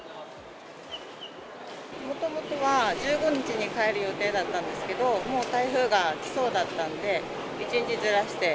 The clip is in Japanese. もともとは１５日に帰る予定だったんですけど、もう台風がきそうだったんで、１日ずらして。